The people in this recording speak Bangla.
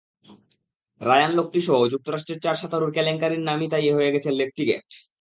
রায়ান লোক্টিসহ যুক্তরাষ্ট্রের চার সাঁতারুর কেলেঙ্কারির নামই তাই হয়ে গেছে লোক্টি-গেট।